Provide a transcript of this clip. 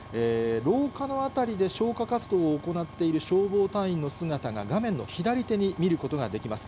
廊下の辺りで消火活動を行っている消防隊員の姿が、画面の左手に見ることができます。